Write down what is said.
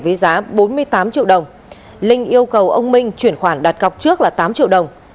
với giá bốn mươi tám triệu đồng linh yêu cầu ông minh chuyển khoản đặt cọc trước là tám triệu đồng